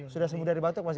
sudah semudah dibantuk mas ya